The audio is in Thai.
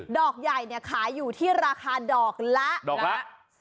ดอกใหญ่ขายอยู่ที่ราคาดอกละดอกละ